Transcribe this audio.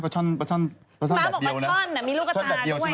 ป๊าบองว่าประช่อนมีรูปกับตาด้วย